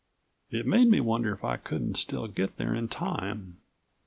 It made me wonder if I couldn't still get to them in time.